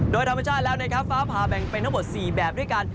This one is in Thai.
โดยธรรมชาติแล้วนะครับฟ้าผ่าแบ่งเป็นทั้งหมด๔แบบด้วยกัน